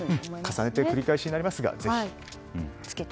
重ねて、繰り返しになりますがぜひ。